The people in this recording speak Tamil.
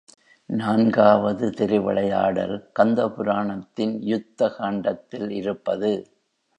நான்காவது திருவிளையாடல், கந்த புராணத்தின் யுத்த காண்டத்தில் இருப்பது.